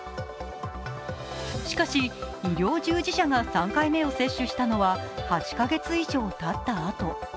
しかし、医療従事者が３回目を接種したのは８カ月以上たったあと。